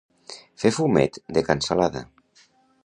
Fer fumet de cansalada.